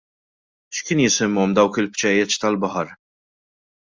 X'kien jisimhom dawn il-bċejjeċ tal-baħar?